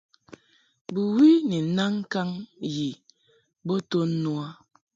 Bɨwi ni naŋ ŋkaŋ yi bo to no a.